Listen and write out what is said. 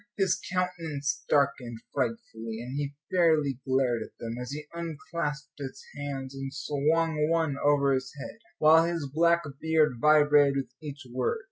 His countenance darkened frightfully, and he fairly glared at them, as he unclasped his hands and swung one over his head, while his black beard vibrated with each word.